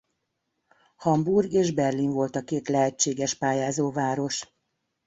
Hamburg és Berlin volt a két lehetséges pályázó város.